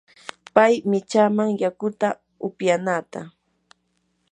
pay michaaman yakuta upyanaata.